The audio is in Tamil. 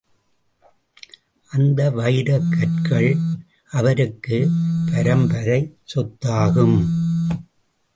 அந்த வைரக் கற்கள் அவருக்கு பரம்பரைச் சொத்தாகும்.